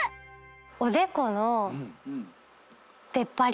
おでこの出っ張り？